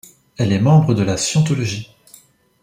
Elle est membre de la scientologie.